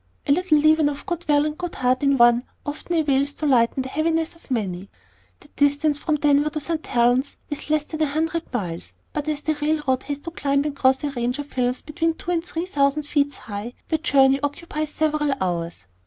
A little leaven of good will and good heart in one often avails to lighten the heaviness of many. The distance between Denver and St. Helen's is less than a hundred miles, but as the railroad has to climb and cross a range of hills between two and three thousand feet high, the journey occupies several hours.